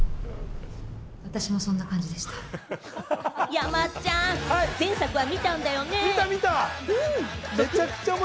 山ちゃん、前作は見たんだよね？